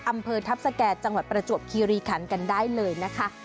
อำเภอทัพสแก่จังหวัดประจวบคีรีคันกันได้เลยนะคะ